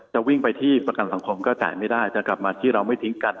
จะวิ่งไปที่ประกันสังคมก็จ่ายไม่ได้แต่กลับมาที่เราไม่ทิ้งกัน